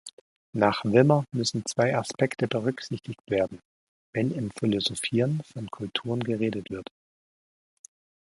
Nach Wimmer müssen zwei Aspekte berücksichtigt werden, wenn im Philosophieren von Kulturen geredet wird.